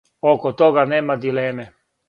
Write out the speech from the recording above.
Око тога нема дилеме.